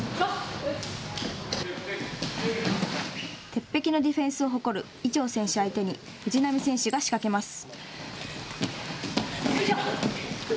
鉄壁のディフェンスを誇る伊調選手を相手に藤波選手が仕掛けます。